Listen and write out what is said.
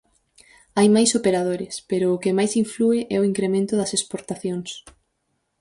Hai máis operadores, pero o que máis inflúe é o incremento das exportacións.